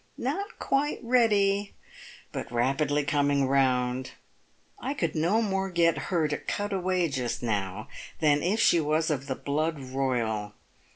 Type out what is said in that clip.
" Not quite ready, but rapidly coming round. I could no more get her to cut away just now than if she was of the blood royal.